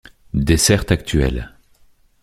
Desserte actuelle.